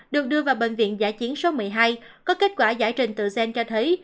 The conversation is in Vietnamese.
được đưa vào bệnh viện giã chiến số một mươi hai có kết quả giải trình tự gen cho thấy